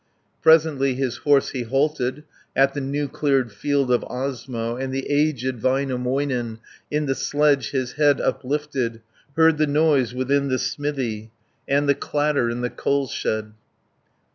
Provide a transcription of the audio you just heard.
Presently his horse he halted At the new cleared field of Osmo, And the aged Väinämöinen, In the sledge his head uplifted, Heard the noise within the smithy, And the clatter in the coal shed.